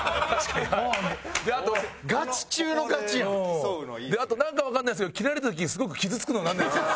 あとなんかわかんないですけど切られた時にすごく傷つくのはなんで？